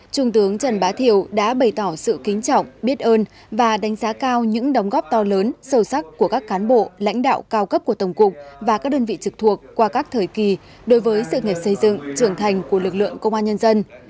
trung tướng trần bá thiệu đã bày tỏ sự kính trọng biết ơn và đánh giá cao những đóng góp to lớn sâu sắc của các cán bộ lãnh đạo cao cấp của tổng cục và các đơn vị trực thuộc qua các thời kỳ đối với sự nghiệp xây dựng trưởng thành của lực lượng công an nhân dân